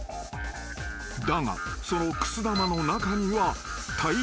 ［だがそのくす玉の中には大量の虫］